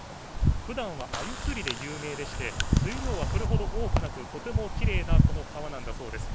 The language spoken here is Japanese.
ふだんはあゆ釣りで有名でして水量はそれほど多くなくとてもきれいなこの川なんだそうです。